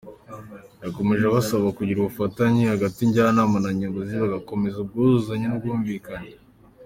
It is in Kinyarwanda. Yakomeje abasaba kugira ubufatanye hagati ya Njyanama na Nyobozi, bagakomeza ubwuzuzanye n’ubwumvikane.